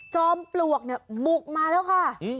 ปลวกเนี่ยบุกมาแล้วค่ะ